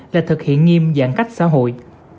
là thực hiện nghiêm giãn cách xã hội